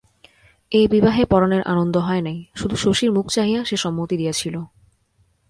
এ বিবাহে পরাণের আনন্দ হয় নাই, শুধু শশীর মুখ চাহিয়া সে সম্মতি দিয়াছিল।